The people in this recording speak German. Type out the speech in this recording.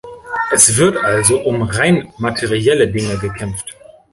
Es wird also um rein materielle Dinge gekämpft.